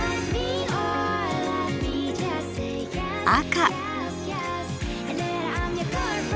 赤。